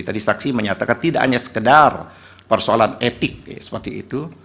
tadi saksi menyatakan tidak hanya sekedar persoalan etik seperti itu